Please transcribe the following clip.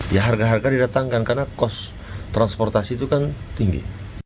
ya harga harga didatangkan karena cost transportasi itu kan tinggi